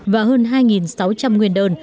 và hơn hai sáu trăm linh nguyên đơn